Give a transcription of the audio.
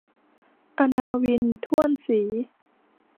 อณาวิน ถ้วนศรี